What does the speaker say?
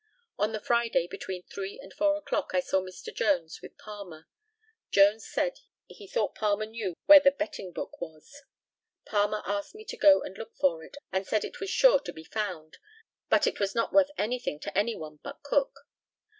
On the Friday, between 3 and 4 o'clock, I saw Mr. Jones with Palmer. Jones said he thought Palmer knew where the betting book was. Palmer asked me to go and look for it, and said it was sure to be found, but it was not worth anything to any one but Cook.